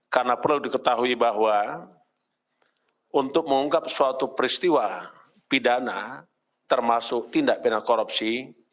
karena perlu diketahui bahwa untuk mengungkap suatu peristiwa pidana termasuk tindak pindah korupsi